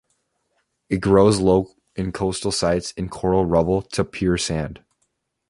It grows low in coastal sites in coral rubble to pure sand.